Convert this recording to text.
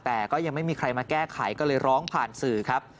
แต่ก็ยังไม่มีใครมาแก้ไขก็เลยร้องผ่านสื่อครับ